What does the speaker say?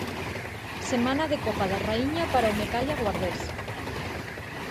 Semana de Copa da Raíña para o Mecalia Guardés.